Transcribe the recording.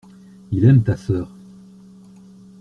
Il aime ta sœur.